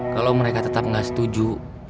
kalau mereka tetap nggak setuju